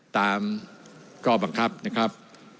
ตามก็บังคับ